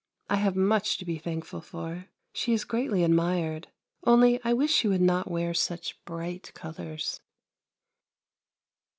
I have much to be thankful for. She is greatly admired, only I wish she would not wear such bright colours.